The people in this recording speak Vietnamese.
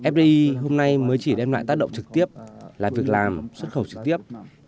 fdi hôm nay mới chỉ đem lại tác động trực tiếp là việc làm xuất khẩu trực tiếp